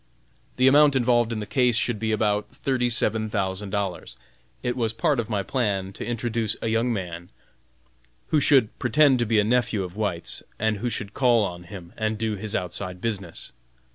The amount involved in the case should be about thirty seven thousand dollars. It was part of my plan to introduce a young man, who should pretend to be a nephew of White's, and who should call on him and do his outside business.